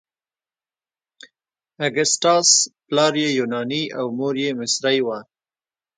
اګسټاس پلار یې یوناني او مور یې مصري وه.